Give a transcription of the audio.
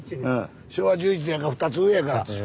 昭和１１年やから２つ上やから８７か。